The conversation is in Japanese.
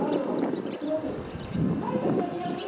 すごく大切な気がする。